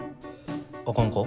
あかんか？